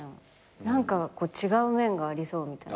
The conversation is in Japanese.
何か違う面がありそうみたいな。